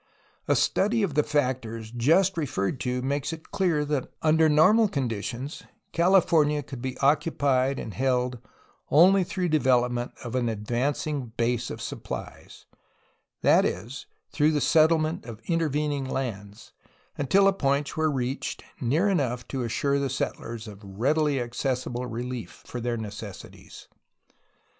A study of the factors just referred to makes it clear that under normal conditions California could be occupied and held only through the development of an advancing base of THE EFFECTS OF GEOGRAPHY UPON CALIFORlNlA 7 supplies — that is, through the settlement of intervening lands, until a point were reached near enough to assure the settlers of readily accessible relief for their necessities.